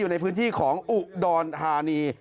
อยู่ในพื้นที่ของอุ๊บดรฮานี